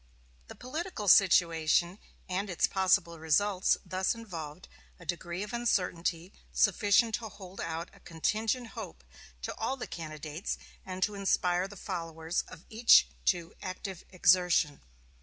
The political situation and its possible results thus involved a degree of uncertainty sufficient to hold out a contingent hope to all the candidates and to inspire the followers of each to active exertion.